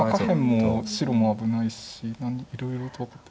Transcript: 下辺も白も危ないしいろいろと。